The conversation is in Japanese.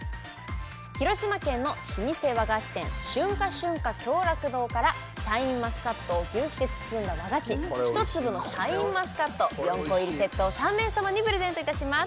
広島県の老舗和菓子店旬果瞬菓共楽堂からシャインマスカットを牛皮で包んだ和菓子ひとつぶのシャインマスカット４個入りセットを３名様にプレゼントいたします